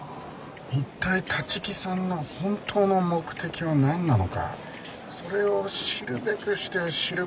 一体立木さんの本当の目的はなんなのかそれを知るべくして知る事により。